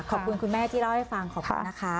ขอบคุณคุณแม่ที่เล่าให้ฟังขอบคุณนะคะ